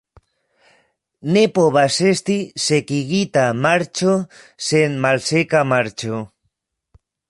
Ne povas esti "sekigita marĉo" sen "malseka marĉo".